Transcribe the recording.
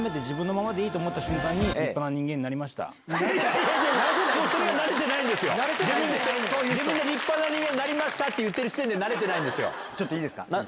自分で立派な人間になりましたって言ってる時点で、ちょっといいですか？